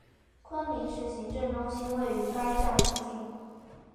昆明市行政中心位于该站附近。